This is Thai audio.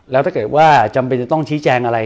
แล้วถ้าเกิดว่าจำเป็นจะต้องชี้แจงอะไร